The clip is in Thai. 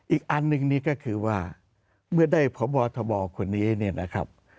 อีกอันหนึ่งนี่ก็คือว่าเมื่อได้พบทบคนนี้เนี่ยนะครับ